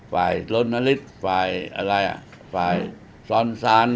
ฝ่ายโล้นอริทฝ่ายสรรสาร